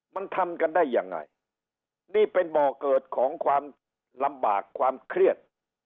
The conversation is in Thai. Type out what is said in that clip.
มันทำกันได้ยังไงนี่เป็นบ่อเกิดของความลำบากความเครียด